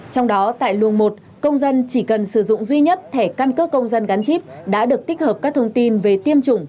trong đó tại luồng một công dân chỉ cần sử dụng duy nhất thẻ căn cước công dân gắn chip đã được tích hợp các thông tin về tiêm chủng